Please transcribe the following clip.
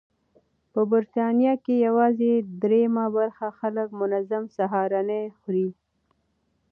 په بریتانیا کې یوازې درېیمه برخه خلک منظم سهارنۍ خوري.